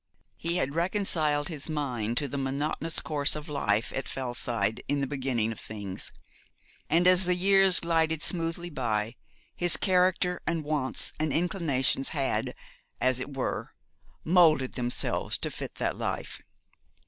He had reconciled his mind to the monotonous course of life at Fellside in the beginning of things; and, as the years glided smoothly by, his character and wants and inclinations had, as it were, moulded themselves to fit that life.